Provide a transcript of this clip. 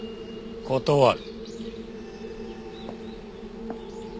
断る。